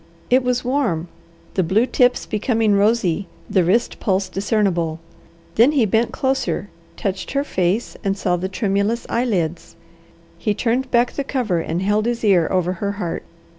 It was warm, the blue tips becoming rosy, the wrist pulse discernible. Then he bent closer, touched her face, and saw the tremulous eyelids. He turned back the cover, and held his ear over her heart.